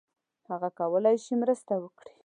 هغه کولای شي مرسته وکړي.